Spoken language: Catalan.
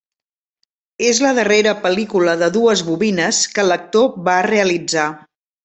És la darrera pel·lícula de dues bobines que l’actor va realitzar.